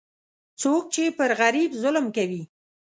څوک چې پر غریب ظلم کوي،